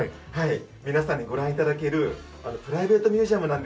皆さんにご覧頂けるプライベートミュージアムなんです。